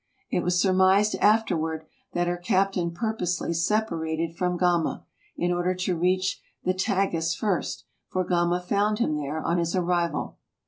It was surmised afterward, that her captain purposely separated from Gama, in order to reach the Tagus first, for Gama found him there on his arrival.